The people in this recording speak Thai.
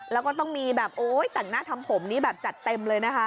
แล้วก็ต้องมีแบบโอ๊ยแต่งหน้าทำผมนี่แบบจัดเต็มเลยนะคะ